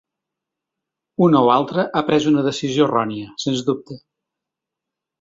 Una o altra ha pres una decisió errònia, sens dubte.